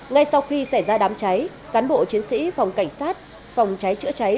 ngay sau khi xảy ra đám cháy cán bộ chiến sĩ phòng cảnh sát phòng cháy chữa cháy